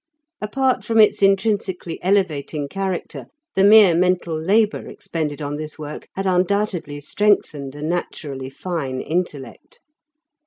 Apart from its intrinsically elevating character, the mere mental labour expended on this work had undoubtedly strengthened a naturally fine intellect.